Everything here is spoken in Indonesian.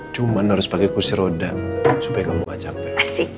cuma harus pakai kursi roda supaya kamu gak capek